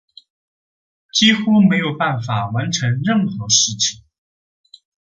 几乎没有办法完成任何事情